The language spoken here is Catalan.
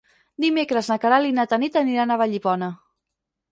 Dimecres na Queralt i na Tanit aniran a Vallibona.